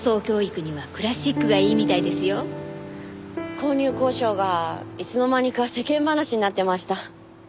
購入交渉がいつの間にか世間話になってました。